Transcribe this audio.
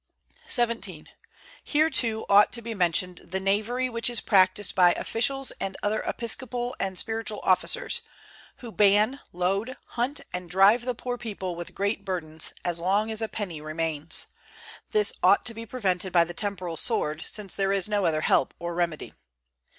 XVII. Here too ought to be mentioned the knavery which is practised by officiales and other episcopal and spiritual officers, who ban, load, hunt and drive the poor people with great burdens, as long as a penny remains. This ought to be prevented by the temporal sword, since there is no other help or remedy.